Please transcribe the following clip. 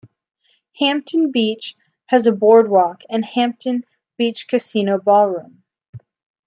Hampton Beach has a boardwalk and Hampton Beach Casino Ballroom.